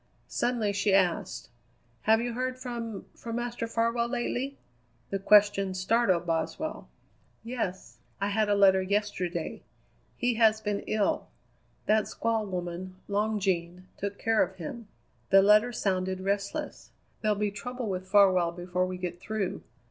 Suddenly she asked: "Have you heard from from Master Farwell lately?" The question startled Boswell. "Yes. I had a letter yesterday. He has been ill. That squaw woman, Long Jean, took care of him. The letter sounded restless. There'll be trouble with Farwell before we get through.